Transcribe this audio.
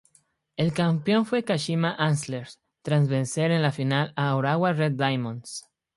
El campeón fue Kashima Antlers, tras vencer en la final a Urawa Red Diamonds.